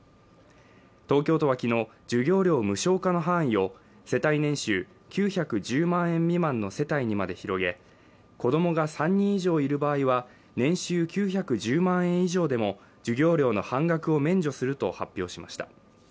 東京都は昨日授業料無償化の範囲を世帯年収９１０万円未満の世帯にまで広げ子供が３人以上いる場合は年収９１０万円以上でも授業料の半額を免除すると発表しました